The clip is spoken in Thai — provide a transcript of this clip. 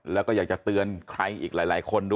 แล้วก็อยากจะเตือนใครอีกหลายคนด้วย